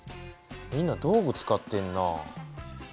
みんな道具使ってんな。